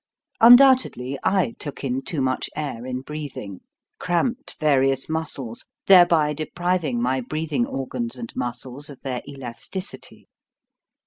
Undoubtedly I took in too much air in breath ing, cramped various muscles, thereby depriv ing my breathing organs and muscles of their elasticity.